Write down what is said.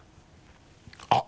あっ！